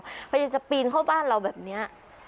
เพราะฉะนั้นจะปีนเข้าบ้านเราแบบนี้